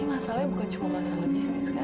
masalahnya bukan cuma masalah bisnis kan